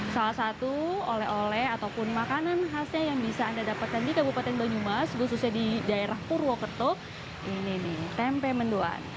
salah satu oleh oleh ataupun makanan khasnya yang bisa anda dapatkan di kabupaten banyumas khususnya di daerah purwokerto ini nih tempe mendoan